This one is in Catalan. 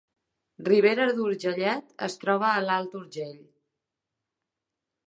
Ribera d’Urgellet es troba a l’Alt Urgell